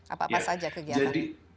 apa saja kegiatannya